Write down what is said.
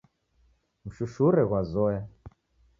Mshushure ghwazoya